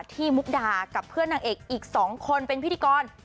มุกดากับเพื่อนนางเอกอีก๒คนเป็นพิธีกร